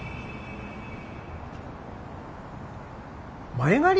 前借り！？